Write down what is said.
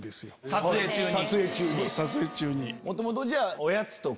撮影中に。